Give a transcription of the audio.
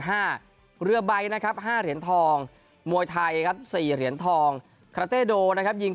ห้าเรือไบ้นะครับ้าเหรียญทองมวยชัยครับสี่เหรียญทองคราตเลดูลนะครับยิง